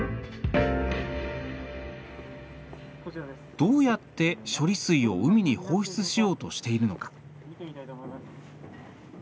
どうやって処理水を海に放出しようとしているのか。